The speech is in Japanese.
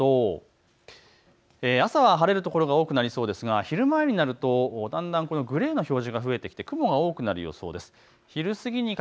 天気の分布で見てみますと朝は晴れる所が多くなりそうですが昼前になるとだんだんこのグレーの表示が増えてきて雲が多くなる予想です。